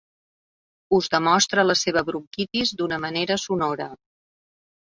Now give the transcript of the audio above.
Us demostra la seva bronquitis d'una manera sonora.